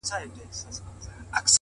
ته به د خوب په جزيره كي گراني !